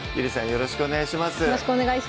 よろしくお願いします